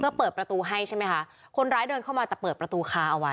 เพื่อเปิดประตูให้ใช่ไหมคะคนร้ายเดินเข้ามาแต่เปิดประตูค้าเอาไว้